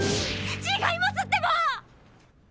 違いますってば！